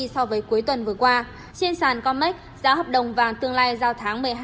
so với cuối tuần vừa qua trên sàn comac giá hợp đồng vàng tương lai giao tháng một mươi hai